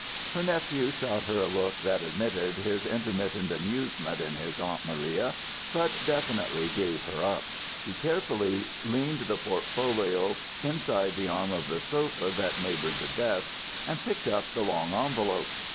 Her nephew shot her a look that admitted his intermittent amusement in his aunt Maria, but definitely gave her up. He carefully leaned the portfolio inside the arm of the sofa that neighboured the desk, and picked up the long envelope.